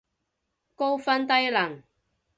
高分低能